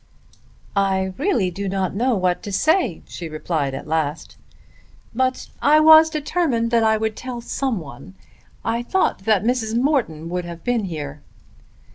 "I really do not know what to say," she replied at last. "But I was determined that I would tell some one. I thought that Mrs. Morton would have been here."